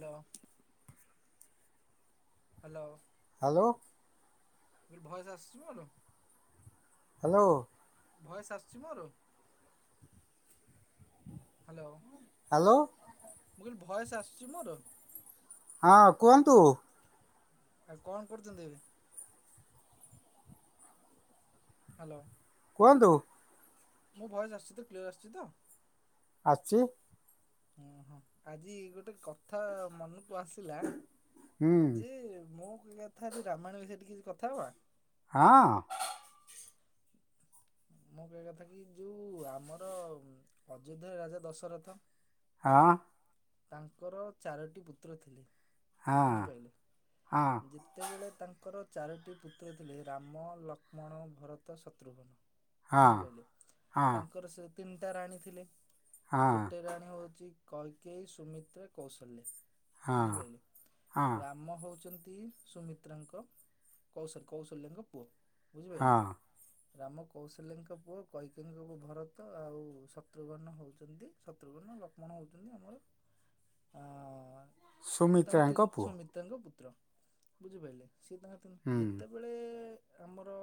Hello. Hello. Hello. କହିଲି voice ଆସୁଛି ମୋର। ହ୍ୟାଲୋ। ଭଏସ୍ ଆସୁଛି ମୋର। ହ୍ୟାଲୋ। ହ୍ୟାଲୋ। ମୁଁ କହିଲି ଭଏସ୍ ଆସୁଛି ମୋର। ହଁ କୁହନ୍ତୁ। ଆଉ କଣ କରୁଛନ୍ତି ଏବେ? ହ୍ୟାଲୋ। କୁହନ୍ତୁ। ମୋ ଭଏସ ଆସୁଛି ତ, କ୍ଲିୟର ଆସୁଛି ତ। ଆସୁଛି। ଓହୋ, ଆଜି ଗୋଟେ କଥା ମନକୁ ଆସିଲା। ହୁଁ ଯେ ମୁଁ କହିବା କଥା, ଆଜି ରାମାୟଣ ବିଷୟରେ ଟିକେ ଆଜି କଥା ହବା। ହଁ। ମୁଁ କହିବା କଥା କି ଯୋଉ ଆମର ଅଯୋଧ୍ୟାର ରାଜା ଦଶରଥ। ହଁ। ତାଙ୍କର ଚାରୋଟି ପୁତ୍ର ଥିଲେ ହଁ ବୁଝିପାରିଲେ ହଁ ଯେ ସେତେବେଳେ ତାଙ୍କର ଚାରୋଟି ପୁତ୍ର ଥିଲେ ରାମ ଲକ୍ଷ୍ମଣ ଭରତ ଶତ୍ରୁଘ୍ନ ହଁ ହଁ ବୁଝିପାରିଲେ ତାଙ୍କର ସେ ତିନିଟା ରାଣୀ ଥିଲେ ହଁ ଗୋଟେ ରାଣୀ ହଉଚି କୈକେଇ ସୁମିତ୍ରା କୌଶଲ୍ୟା। ହଁ ବୁଝିପାରିଲେ ହଁ ରାମ ହଉଚନ୍ତି ସୁମିତ୍ରାଙ୍କ କୌଶଲ କୌଶଲ୍ୟାଙ୍କ ପୁଅ ବୁଝିପାରିଲେ। ହଁ ରାମ କୌଶଲ୍ୟାଙ୍କ ପୁଅ କୈକେଇଙ୍କ ପୁ ଭରତ ଆଉ ଶତ୍ରୁଘ୍ନ ହଉଚନ୍ତି ଶତ୍ରୁଘ୍ନ ଲକ୍ଷ୍ମଣ ହେଉଚନ୍ତି ଆମର ଅଁ ତାଙ୍କ ସୁମିତ୍ରାଙ୍କ ତିନି ପୁଅ ସୁମିତ୍ରାଙ୍କ ପୁତ୍ର ବୁଝିପାରିଲେ ସିଏ ତାଙ୍କ ହୁଁ ଯେତେବେଳେ ଆମର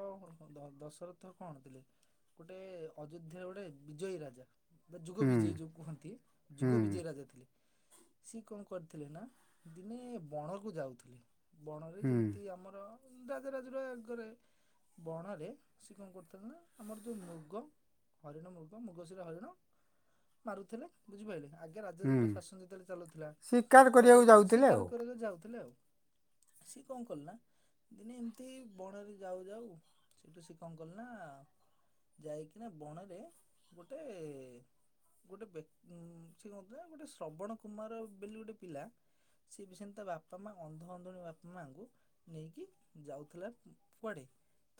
ଦ ଦଶରଥ କଣ ଥିଲେ? ଗୋଟେ ଅଯୋଧ୍ୟାର ଗୋଟେ ବିଜୟୀ ରାଜା। ବା ଯୁଗ ହୁଁ ବିଜେଇ ଯୋଉ କୁହନ୍ତି ହୁଁ ଯୁଗ ବିଜେଇ ରାଜା ଥି ସିଏ କଣ କରିଥିଲେ ନା ଦିନେ ବଣକୁ ଯାଉଥିଲେ। ବଣରେ ହୁଁ ଯେମିତି ଆମର ରାଜ ରାଜୁର ଆଗରେ ବଣରେ ସେ କଣ କରିୁଥାନ୍ତି ନା ଆମର ଯୋଉ ମୃଗ ହରିଣ ମୃଗ ମୁଗଶିରେ ହରିଣ ମାରୁଥିଲେ ବୁଝିପାରିଲେ ଆଗେ ରାଜା ହୁଁ ଯୋଉଦିନ ଶାସନ ଯେତେବେଳେ ଚାଲୁଥିଲା ଶିକାର ସବୁ କରିବାକୁ ଯାଉଥିଲେ ଶିକାର କରିବାକୁ ଯାଉଥିଲେ ଆଉ। ସେ କଲେ ନା ଦିନେ ଏମିତି ବଣରେ ଯାଉ ଯାଉ ସେଇଠୁ ସେ କଣ କଲେ ନା ଯାଇକିନା ବଣରେ ଗୋଟେ ଗୋଟେ ବେକ୍ ଉଁ ସେଏ କଁ କରୁଥିଲା ଗୋଟେ ଶ୍ରବଣ କୁମାର ବୋଲି ଗୋଟେ ପିଲା ସେ ବି ସେନ୍ତି ତା ବାପା ମା ଅନ୍ଧ ଅନ୍ଧୁଣୀ ବାପା ମାଙ୍କୁ ନେଇକି ଯାଉଥିଲା କୁଆଡେ?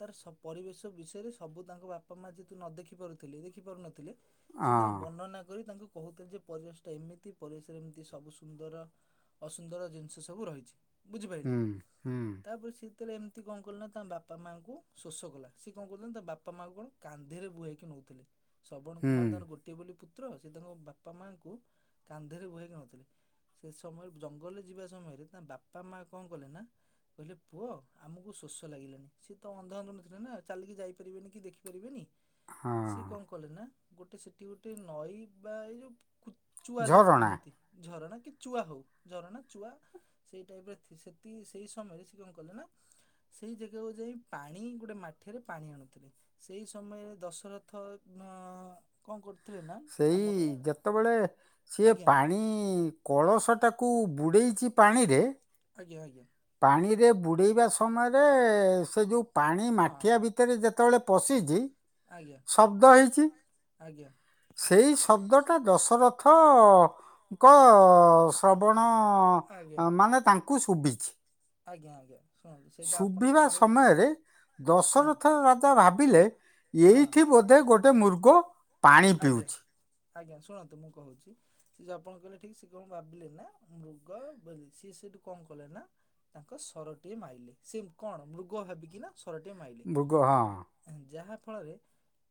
ତାର ସବ ପରିବେଶ ବିଷୟରେ ସବୁ ତାଙ୍କ ବାପା ମା ଯେତୁ ନ ଦେଖି ପାରୁଥିଲେ ଦେଖି ପାରୁନଥିଲେ। ସିଏ ତାଙ୍କୁ ଆଉ ବର୍ଣ୍ଣନା କରି ତାଙ୍କୁ କହୁଥିଲେ ଯେ ପରିବେଶ ଟା ଏମିତି ପରିବେଶରେ ଏମିତି ସବୁ ସୁନ୍ଦର ଅସୁନ୍ଦର ଜିନିଷ ସବୁ ରହିଛି। ହଁ ବୁଝିପାରିଲେ ହୁଁ ହୁଁ ତାପରେ ସିଏ ତାଲେ ଏମିତି କଣ କଲେ ନା ତା ବାପା ମାଆଙ୍କୁ ଶୋଷ କଲା ସିଏ କଣ କଲେ ତା ବାପା ମାଆଙ୍କୁ କଣ କାନ୍ଧିରେ ବୁହଇକି ନେଉଥିଲେ ଶ୍ରବଣ ହୁଁ କୁମାର ତାଙ୍କର ଗୋଟିଏ ବୋଲି ପୁତ୍ର ସେ ତାଙ୍କ ବାପା ମାଆଙ୍କୁ କାନ୍ଧିରେ ବୁହାଇକି ଆଣଉଥିଲେ ସେ ସମୟରେ ଜଙ୍ଗଲରେ ଯିବା ସମୟରେ ତା ବାପା ମା କଣ କଲେ ନା କହିଲେ ପୁଅ ଆମକୁ ଶୋଷ ଲାଗିଲାଣି ସିଏ ତ ଅନ୍ଧ ଅନ୍ଧୁନି ଥିଲେ ନା ଚାଲିକି ଯାଇପାରିବେନି କି ଦେଖି ପାରିବେନି ସିଏ ହଁ କଣ କଲେ ନା ଗୋଟେ ସେଠି ଗୋଟେ ନଈ ବା ଏ ଯୋଉ କୁ ଚୁଆ ଯୋଉ ଝରଣା କୁହନ୍ତି ଝରଣା କି ଚୁଆ ହଉ ଝରଣା ଚୁଆ ସେଇ ଟାଇପ ର୍ ଥି ସେତିକି ସେଇ ସମୟରେ ସେ କଣ କଲେ ନା ସେଇ ଜାଗାକୁ ଯାଇ ପାଣି ଗୋଟେ ମାଠିଆରେ ପାଣି ଆଣୁଥିଲି ସେଇ ସମୟରେ ଦଶରଥ ଅଁ କଣ କରୁଥିଲେ ନା ସେଇ ଆମର ଯେତେବେଳେ ସିଏ ଆଜ୍ଞା ପାଣି କଳସଟାକୁ ବୁଡ଼େଇଚି ପାଣିରେ ଆଜ୍ଞା ଆଜ୍ଞା। ପାଣିରେ ବୁଡେଇବା ସମୟରେ ସେ ଯୋଉ ପାଣି ହଁ ମାଠିଆ ଭିତ ଭିତରେ ଯେତେବେଳେ ପଶିଚି ଆଜ୍ଞା ଆଜ୍ଞା। ସେଇ ଶବ୍ଦଟା ଦଶରଥ କ ଶ୍ରବଣ ଆଜ୍ଞା ମାନେ ତାଙ୍କୁ ଶୁଭିଛି। ଆଜ୍ଞା ଆଜ୍ଞା। ଶୁଣନ୍ତୁ ସେଇଟା ଆପଣ ତ ଶୁଭିବା କହିଲେ ସମୟରେ। ହଁ ଦଶରଥ ରାଜା ଭାବିଲେ ହଁ ଏଇଠି ବୋଧେ ଗୋଟେ ମୂର୍ଗ। ଆଜ୍ଞା ଆଜ୍ଞା ଶୁଣନ୍ତୁ ମୁଁ କହୁଛି। ଆପଣ କହିଲେ ଠିକ ସେ କଣ ଭାବିଲେ ନା ମୃଗ ବୋଲି ସିଏ ସେଠୁ କଣ କଲେ ନା। ତାଙ୍କ ସରଟିଏ ମାଇଲେ ସେ କଣ ମୃଗ ଭାବିକି ନା। ସରଟିଏ ମୃଗ ହଁ ମାଇଲେ ଯାହାଫଳରେ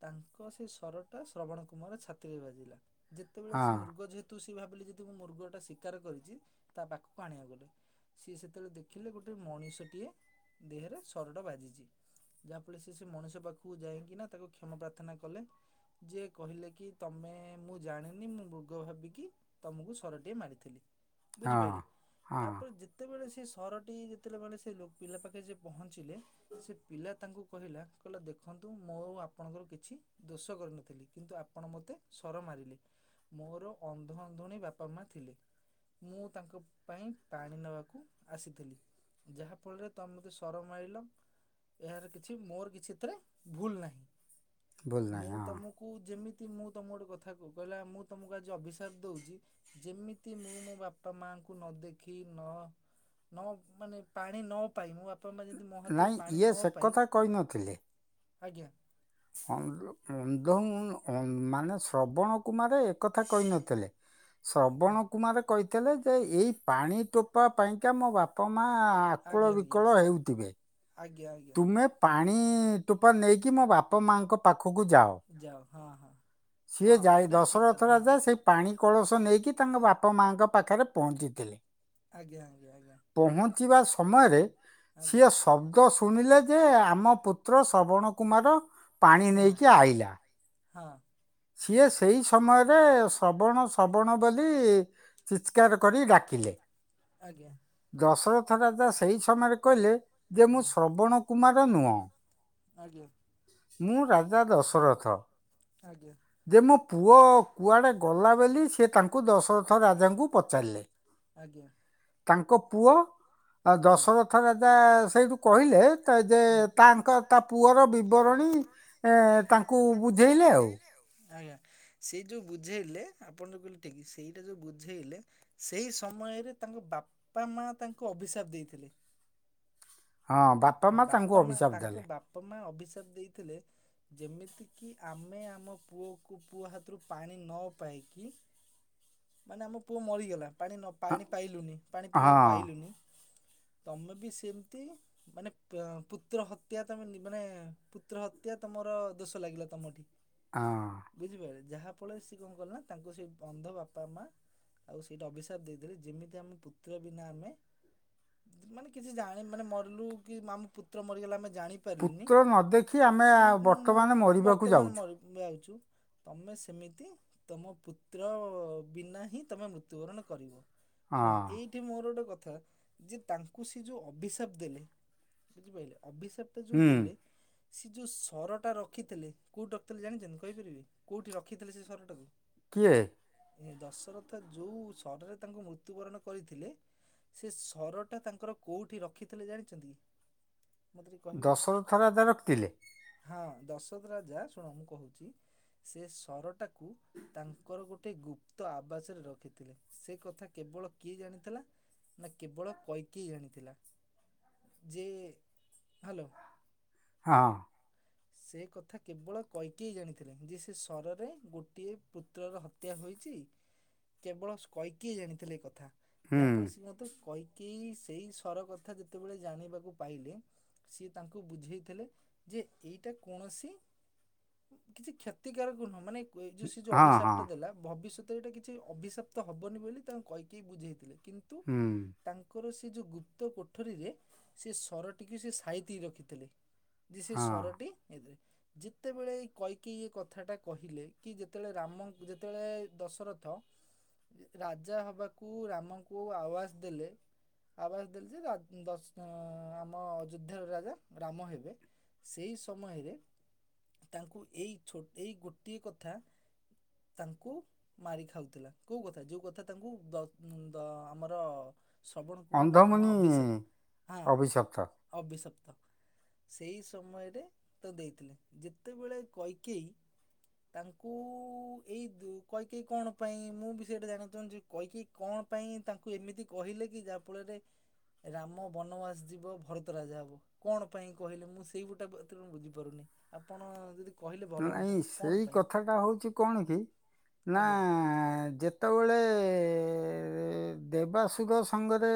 ତାଙ୍କ ସେ ସର ଶ୍ରବଣ କୁମାର ଛାତିରେ ବାଜିଲା ଯେତେବେଳେ ହଁ ସେ ମୃଗ ଯେହେତୁ ତୁ ସେ ଭାବିଲି ଯଦି ମୁଁ ମୃଗଟା ଶିକାର କରିଛି ତା ପାଖକୁ ଆଣିବାକୁ ଗଲେ। ସିଏ ସେତେବେଳେ ଦେଖିଲେ ଗୋଟେ ମଣିଷଟିଏ ଦେହରେ ସରଟା ବାଜିଛି। ଯାହାଫଳରେ ସେ ସେ ମଣିଷ ପାଖକୁ ଯାଇକି ନା ତାକୁ କ୍ଷମା ପ୍ରାର୍ଥନା କଲେ। ଯିଏ କହିଲେ କି ତମେ ମୁଁ ଜାଣିନି ମୁଁ ମୃଗ ଭାବିକି। ତମକୁ ସରଟିଏ ମାରିଥିଲି ହଁ ବୁଝିପାରିଲେ ହଁ ତାପରେ ଯେ ସେତେବେଳେ ସେ ସରଟି ଯେତେଳେବେଳେ ସେ ପିଲା ପାଖେ ଯେ ପହଞ୍ଚିଲେ ସେ ପିଲା ତାଙ୍କୁ କହିଲା କହିଲା ଦେଖନ୍ତୁ ମୁଁ ଆଉ ଆପଣଙ୍କର କିଛି ଦୋଷ କରନି ଥିଲି କିନ୍ତୁ ଆପଣ ମୋତେ ସର ମାରିଲେ ମୋର ଅଧ ଅନ୍ଧୁଣୀ ବାପା ମା ଥିଲେ। ମୁଁ ତାଙ୍କ ପାଇଁ ପାଣି ନବାକୁ ଆସିଥିଲି। ଯାହା ଫଳରେ ତ ମତେ ସର ମାଇଲ ଏହାର କିଛି ମୋର କିଛି ଏଥିରେ ଭୁଲ ନାହିଁ। ଭୁଲ ନାହିଁ ମୁଁ ହଁ ତମ କୁ ଯେମିତି ମୁଁ ତମକୁ ଗୋଟେ କଥା କହୁ କହିଲା ମୁଁ ତମକୁ ଆଜି ଅଭିସାପ ଦଉଛି ଯେମିତି ମୁଁ ମୋ ବାପା ମାଙ୍କୁ ନ ଦେଖି ନ ନ ମାନେ ପାଣି ନ ପାଇ ମୋ ବାପା ମା ଯଦି ମୋ ହାତରୁ ନାଇଁ ପାଣି ଇଏ ନ ସେ ପାଇ କଥା କହିନଥିଲେ ଆଜ୍ଞା। ଅନ୍ଧ ମାନେ ଶ୍ରବଣ କୁମାର ଏକଥା କହିନଥିଲେ। [inaudible] ଶ୍ରବଣ କୁମାର କହିଥିଲେ ଯେ ଏଇ ପାଣି ଟୋପା ପାଇଁକା ମୋ ବା ବାପା ମା ଆକୁଳ ଆଜ୍ଞା ଆଜ୍ଞା ବିକଳ ହେଉଥିବେ। ଆଜ୍ଞା ଆଜ୍ଞା। ତୁମେ ପାଣି ଟୋପା ନେଇକି ମୋ ବାପା ମାଆଙ୍କ ପାଖକୁ ଯାଅ। ଯାଅ ହଁ ହଁ। ସିଏ ହଁ ଯାଏ ଏଇଟା ବି ଠିକ ଦଶହରଥ କଥା ହଁ ରାଜା ସେ ପାଣି କଳସ ନେଇକି ତାଙ୍କ ବାପା ମାଙ୍କ ପାଖରେ ପହଞ୍ଚିଥିଲେ। ଆଜ୍ଞା ଆଜ୍ଞା ଆଜ୍ଞା ପହଞ୍ଚିବା ସମୟରେ ଆଜ୍ଞା ସିଏ ଶବ୍ଦ ଶୁଣିଲେ ଯେ ଆମ ପୁତ୍ର ଶ୍ରବଣ କୁମାର ପାଣି ନୁହଁ ନେଇକି ଆଇଲା। ହଁ। ସିଏ ସେଇ ସମୟରେ ଶ୍ରବଣ ଶ୍ରବଣ ବୋଲି ଚିତ୍କାର କରି ଡାକିଲେ। ଆଜ୍ଞା। ଦଶରଥ ରାଜା ସେଇ ସମୟରେ କହିଲେ ଯେ ମୁଁ ହୁଁ, ଶ୍ରବଣ କୁମାର ନୁଅଁ। ଆଜ୍ଞା। ମୁଁ ରାଜା ଦଶରଥ। ଆଜ୍ଞା। ଯେ ମୋ ପୁଅ କୁଆଡ଼େ ଗଲା ବୋଲି ସେ ତାଙ୍କୁ ଦଶରଥ ରାଜାଙ୍କୁ ପଚାରିଲେ। ଆଜ୍ଞା। ତାଙ୍କ ପୁଅ ଆଜ୍ଞା ଦଶରଥ ରାଜା ସେଇଠୁ କହିଲେ ତେ ଯେ ହୁଁ ତାଙ୍କ ତା ପୁଅର ବିବରଣୀ ତାଙ୍କୁ ବୁଝେଇଲେ ଆଉ ଆଜ୍ଞା ସେଇ ଯୋଉ ବୁଝେଇଲେ ଆପଣ ଯଉ କହିଲେ ଠିକ ସେଇଟା ଯୋଉ ବୁଝେଇଲେ ସେହି ସମୟରେ ତାଙ୍କ ବାପା ମା ତାଙ୍କୁ ଅଭିଶାପ ଦେଇଥିଲେ। ହଁ ବାପ୍ ବାପା ମା ତାଙ୍କ ବାପା ମା ଅଭିଶାପ ଦେଇଥିଲେ। ଯେମିତିକି ଆମେ ଆମ ପୁଅକୁ ପୁଅ ହାତରୁ ପାଣି ନ ପାଇକି ମାନେ ଆମ ପୁଅ ମରିଗଲା ପାଣି ନ ପାଣି ପାଇଲୁନି ପାଣି ହଁ ପିଇବାକୁ ପାଇଲୁନି। ତମେ ବି ସେମିତି ମାନେ ପୁତ୍ର ହତ୍ୟା ତମେ ମାନେ ପୁତ୍ର ହତ୍ୟା ତମର ଦୋଷ ଲାଗିଲା ତମଠି ହଁ। ବୁଝିପାରିଲେ ଯାହା ଫଳରେ ସେ କଣ କଲେ ନା ତାଙ୍କୁ ସେ ଅନ୍ଧ ବାପ୍ ବାପା ମା ଆଉ ସେଇଟା ଅଭିଶାପ ଦେଇଥିଲେ ଯେମିତି ଆମ ପୁତ୍ର ବିନା ଆମେ ମାନେ କିଛି ଜାଣି ମାନେ ମରିଲୁ କି ଆମ ପୁତ୍ର ମରିଗଲା ଆମେ ଜାଣି ପାରିଲୁନି ପୁତ୍ର ନ ଦେଖି ଆମେ କି ଆ- କି ମୁଁ ବର୍ତ୍ତମାନ ମରିବାକୁ ବର୍ତ୍ତମାନ ଯାଉଛୁ ମ ଯାଉଛୁ ତମେ ସେମିତି ତମ ପୁତ୍ର ବିନା ହିଁ ତମେ ମୃତ୍ୟୁବରଣ କରିବ। ଶୁଣ ହଁ ଏଇ ସେଠି ମୋର ଗୋଟେ କଥା ଯେ ତାଙ୍କୁ ସେ ଯୋଉ ଅଭିଶାପ ଦେଲେ ବୁଝିପାଇଲେ ଅଭିଶାପ ଟା ଯୋଉ ହୁଁ ଦେଲେ ସେ ଯେଉଁ ସରଟା ରଖିଥିଲେ କଉଠି ରଖିଥିଲେ ଜାଣିଛନ୍ତି କହିପାରିବେ କଉଠି ରଖିଥିଲେ ସେ ସରଟାକୁ କିଏ? ଏ ଦଶରଥ ଯୋଉ ସରରେ ତାଙ୍କୁ ମୃତ୍ୟୁବରଣ କରିଥିଲେ ସେ ସରଟା ତାଙ୍କର କଉଠି ରଖିଥିଲେ ଜାଣିଛନ୍ତି କି? ମତେ ଟିକେ କହିବେ ଦଶରଥ ରାଜା ରଖିଥିଲେ ହଁ ଦଶଥ ରାଜା ଶୁଣ ମୁଁ କହୁଛି ସେ ସରଟାକୁ ତାଙ୍କର ଗୋଟଏ ଗୁପ୍ ପ୍ତ ଆବାସରେ ରଖିଥିଲେ ସେ କଥା କେବଳ କିଏ ଜାଣିଥିଲା ନା କେବଳ କୈକେୟୀ ଜାଣିଥିଲା ଯେ ହ୍ୟାଲୋ ହଁ ସେ କଥା କେବଳ କୈକେୟୀ ଜାଣିଥିଲେ ଯେ ସେ ସରରେ ଗୋଟିଏ ପୁତ୍ରର ହତ୍ୟା ହତ୍ୟା ହୋଇଛି କେବଳ କୈକେୟୀ ଜାଣିଥିଲେ ଏଇ କଥା ହୁଁ ଯାହାଫଳେ ସେ ମତେ କୈ କି ସେଇ ସର କଥା ଯେତେବେଳେ ଜାଣିବାକୁ ପାଇଲେ ସିଏ ତାଙ୍କୁ ବୁଝେଇଥିଲେ ଯେ ଏଇଟା କୌଣସି କିଛି କ୍ଷତିକାରକ ନୁହଁ ମାନେ ଏ ଯଉ ସେ ଯୋ ହଁ ଅଭିଶାପ ହଁ ଟା ଦେଲା ଭବିଷ୍ୟତ ଏଇଟା କିଛି ଅଭିଶାପ୍ତ ହବନି ବୋଲି ତ କୈକେୟୀ ବୁଝେଇଥିଲେ କିନ୍ତୁ ହୁଁ ତାଙ୍କର ସେ ଯୋଉ ଗୁପ୍ତ କଠରୀରେ ସେ ସରଟିକୁ ସେ ସାଇତି ରଖିଥିଲେ ଯେ ସେ ହଁ ସରଟି ହେଥିରେ ଯେତେବେଳେ କୈକେୟୀ ଏ କଥାଟା କହିଲେ କି ଯେତେବେଳେ ରାମ ଯେତେବେଳେ ଦଶରଥ ରାଜା ହବାକୁ ରାମଙ୍କୁ ଆବାଜ ଦେଲେ ଆବାସ ଦେଲେ ଯେଶ ଦଶ ଆମ ଅଯୋଧ୍ୟାର ରାଜା ରାମ ହେବେ ସେଇ ସମୟରେ ତାଙ୍କୁ ଏଇୋ ଛ ଗୋଟିଏ କଥା ତାଙ୍କୁ ମାରି ଖାଉଥିଲା କୋଉ କଥା ଯୋଉ କଥା ତାଙ୍କୁ ବ ଦ ଆମର ଶ୍ରବଣ କୁମର ବାପା ମା ଅନ୍ଧମୁନି ଅଭିଶପ ହଁ ଅଭିଶପ୍ତ ଅଭିଶପ୍ତ ସେଇ ସମୟରେ ତ ଦେଇଥିଲେ ଯେତେବେଳେ କୈକେୟୀ ତାଙ୍କୁ ଏଇ ଦୁ କୈକେୟୀ କଣ ପାଇଁ ମୁଁ ବି ସେଟା ଜାଣିବାକୁ ଚାହୁଁଛି। କୈକେୟୀ କଣ ପାଇଁ ତାଙ୍କୁ ଏମିତି କହିଲେ କି ଯାହା ଫଳରେ ରାମ ବନବାସ ଯିବ, ଭରତ ରାଜା ହବ କଣ ପାଇଁ କହିଲେ ମୁଁ ସେ ସେଇ ଗୁଟା ପ୍ରଥମ ମୁଁ ବୁଝିପାରୁନି ଆପଣ ଯଦି କହିଲେ ଭଲ ହୁଅନ୍ତା ନାଇଁ କଣ ସେଇ ପାଇଁ କଥାଟା ହଉଛି କଣ କି ନା ଆଜ୍ଞା ଯେ ଯେତେବେଳେ ଦେବାଶୁଦ ସଙ୍ଗରେ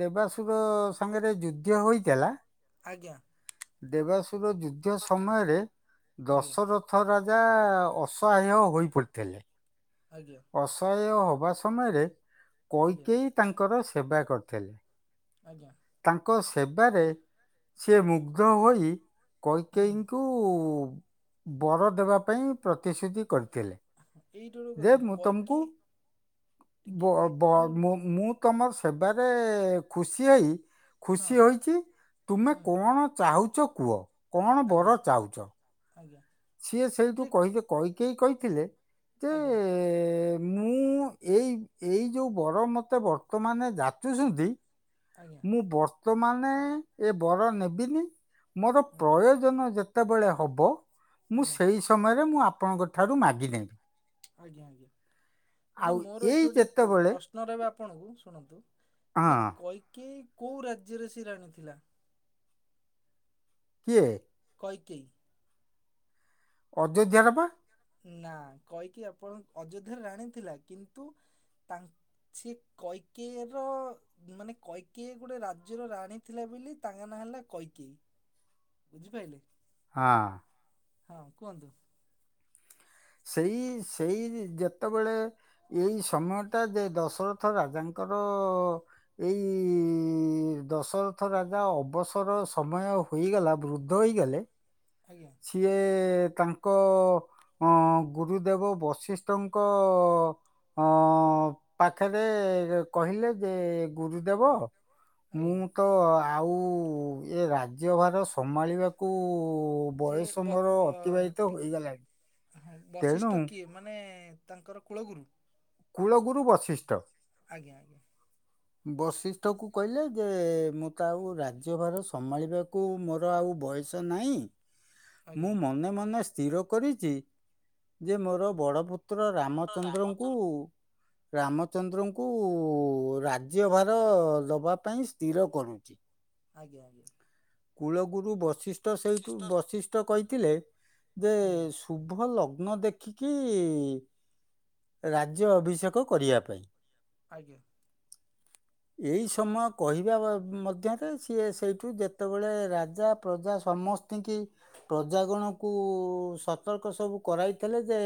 ଦେବାଶୁଗ ସଙ୍ଗରେ ଯୁଦ୍ଧ ହୋଇଥିଲା। ଆଜ୍ଞା। ଦେବାଶୁଦ ଯୁଦ୍ଧ ସମୟରେ ଆଜ୍ଞା ଦଶର ରଥ ରାଜା ଅସହାୟ ହୋଇପଡ଼ିଥିଲେ। ଆଜ୍ଞା। ଅସହାୟ ହେବା ସମୟରେ ଆଜ୍ଞା କୈକେୟୀ ତାଙ୍କର ସେବା କରିଥିଲେ। ଆଜ୍ଞା। ତାଙ୍କ ସେବାରେ ସି ମୁଗ୍ଧ ହୋଇ ହୁଁ ହୁଁ। କୈକେୟୀଙ୍କୁ ଙ୍କୁ ବର ଦେବା ପାଇଁ ପ୍ରତିଶ୍ରୁତି କରିଥିଲେ। [unintelligible] ଯେ ମୁଁ ତମକୁ କୈକେୟୀ ଟିକେ ବ ଏଇ ବ ଯୋଉ ମୁଁ ହଁ ମୁଁ। ତମ ସେବାରେ ଖୁସି ହେଇ ଖୁସି ହୋଇଛି ତୁମେ ହୁଁ କଣ ଚାହୁଚ କୁହ କଣ ଆଜ୍ଞା ବର ଚାହୁଚ। ଆଜ୍ଞା ସିଏ ସେଇଠୁ ଯେ କହିଲେ କୈକେୟୀ କହିଥିଲେ। ଯେ ଆଜ୍ଞା ମୁଁ ଏଇ- ଏଇ ଯେଉଁ ବର ମୋତେ ବର୍ତ୍ତମାନ ଯାଚୁଛନ୍ତି ଆଜ୍ଞା ମୁଁ ବର୍ତ୍ତମାନେ ଏ ବର ନେବିନି ମୋର ଆଜ୍ଞା ପ୍ରୟୋଜନ ଯେ ଯେତେବେଳେ ହବ ମୁଁ ଆଜ୍ଞା ସେଇ ସମୟରେ ମୁଁ ଆପଣଙ୍କ ଠାରୁ ମାଗିିନେବି। ଆଜ୍ଞା! ଯେ ମୋର ଏଇ ଏଇଠି ଗୋଟେ ଯେତେବେଳେ ପ୍ରଶ୍ନ ରହିବ ଆପଣଙ୍କୁ ଶୁଣନ୍ତୁ ହଁ ଯେ କୈକେୟୀ କୋଉ ରାଜ୍ୟରେ ସେ ରାଣୀ ଥିଲା? କିଏ? କୈକେୟୀ। ଅଯୋଧ୍ୟା ର ବା‌। ନା କହିକି ଆପଣ ଅଯୋଧ୍ୟାରେ ରାଣୀ ଥିଲା କିନ୍ତୁ ତାଙ୍କ ସେ କୈକେୟୀ ର ମାନେ କୈକେୟୀ ଗୋଟେ ରାଜ୍ୟର ରାଣୀ ଥିଲେ ବୋଲି ତାଙ୍କ ନାଁ ହେଲା କୈକେୟୀ। ବୁଝିପାଇଲେ। ହଁ ହଁ କୁହନ୍ତୁ। ସେଇ ସେଇ ଯେତେବେଳେ ଏଇ ସମୟଟା ଯେ ଦଶରଥ ରାଜାଙ୍କର ଏଇ ଦଶରଥ ରାଜା ଅବସର ସମୟ ହୋଇଗଲା ବୃଦ୍ଧ ହୋଇଗଲେ ଆଜ୍ଞା ସିଏ ତାଙ୍କ ଅ ଗୁରୁଦେବ ବଶିଷ୍ଠ ଙ୍କ। ହଁ ପାଖରେ କହିଲେ ଯେ ଗୁରୁଦେବ। ମୁଁ ଆଜ୍ଞା ତ ଆଉ ଏ ରାଜିହବାର ସମାଳିବାକୁ ଯେ ବୟସ ବ ମୋର ବ ଅତିବାହିତ ଟି ହୋଇଗଲାଣି। ହଁ ତେଣୁ ବଶିଷ୍ଠ କିଏ ମାନେ ତାଙ୍କର କୂଳଗୁରୁ। କୂଳଗୁରୁ ବଶିଷ୍ଠ। ଆଜ୍ଞା ଆଜ୍ଞା। ବଶିଷ୍ଠକୁ କହିଲେ ଯେ ମୁଁ ତ ଆଉ ରାଜ୍ୟଭାର ସମାଳିବାକୁ ମୋର ଆଉ ବୟ ୟସ ନାହିଁ। ଆଜ୍ଞା ମୁଁ ମନେ ମନେ ସ୍ଥିର କରିଚି ଯେ ମୋର ବଡ ପୁ ପୁତ୍ର ରାମଚନ୍ଦ୍ରଙ୍କୁ ରାମଚନ୍ଦ୍ରଙ୍କୁ ରା ଜ୍ୟ ଭାର ଦବା ପାଇଁ ସ୍ଥିର କରୁଚି। ଆଜ୍ଞା ଆଜ୍ଞା। କୂଳଗୁରୁ ବଶିଷ୍ଠ ସେଇଠୁ ବଶିଷ୍ଠ କହିଥିଲେ ଯେ ଆଜ୍ଞା ପୁଭ ଲଗ୍ନ ଦେଖିକି ରାଜ୍ୟ ଅଭିଷେକ କରିବଆ ପାଇଁ। ଆଜ୍ଞା। ଏଇ ସମୟ କହିବା ବା ମଧ୍ୟରେ ସିଏ ସେଇଠୁ ଯେ ଯେତେବେଳେ ରାଜା ପ୍ରଜା ସମସ୍ତିଙ୍କି ପ୍ରଜାଗଣକୁ ସତର୍କ ସବୁ କରାଇଥିଲେ ଯେ।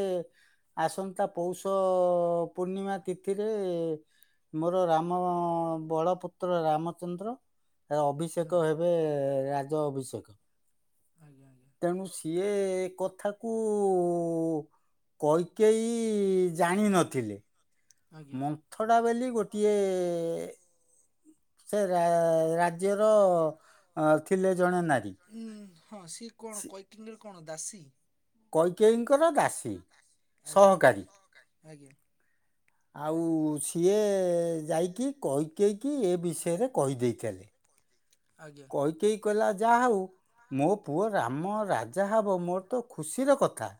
ଆସନ୍ତା ପୌଷ ପୂର୍ଣ୍ଣିମା ତିଥିରେ। ମୋର ରାମ ବଡ ପୁତ୍ର ରାମଚନ୍ଦ୍ର ତା ହୁଁ ଅଭିଷେକ ହେ ଏ ରାଜ ଅଭିଷେଖ। ଆଜ୍ଞା ଆଜ୍ଞା। ଏଟା ମୁଁ ସିଏ କଥାକୁ କୈକେୟୀ ଜାଣିନଥିଲେ। ଆଜ୍ଞା ମନ୍ଥଡ଼ା ବେଲି ଗୋଟିଏ ସେ ରା ରାଜ୍ୟର ଅ ଥିଲେ ଜଣେ ନାରୀ। ଉଁ ହଁ ସିଏ କଣ କୈକେୟୀଙ୍କ ର କଣ ଦାସୀ? କୈକେୟୀଙ୍କ ର ଦାସୀ ଆଜ୍ଞା ସହକାରୀ। ଆଜ୍ଞା। ଆଉ ସିଏ ଯାଇକି କୈକେୟୀକି ଏ ବିଷୟରେ କହିଦେଇଥେଲେ। ଆଜ୍ଞା। କୈକେୟୀ କଇଲା ଯାହାହୋଉ ମୋ ପୁଅ ରାମ ରାଜା ହବ ମୋର ତ ଖୁସିର କଥା।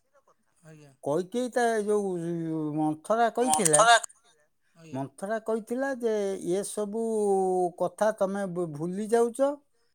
ଆଜ୍ଞା ଆଜ୍ଞା କୈକେୟୀ ତା ଏ ଯୋଉ ଏ ଉଁ ମନ୍ଥରା କଇଥିଲା ଆଜ୍ଞା ମନ୍ଥରା କଇ ଥିଲା ଯେ ଏସବୁ କଥା ତମେ ବୁ ଭୁଲି ଯାଉଚ?